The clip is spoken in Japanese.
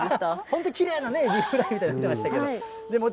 本当、きれいなエビフライみたいになってましたけども。